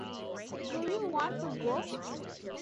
Do you want to go?